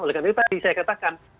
oleh karena itu tadi saya katakan